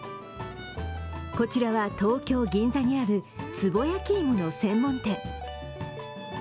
こちらは東京・銀座にある、つぼ焼き芋の専門店。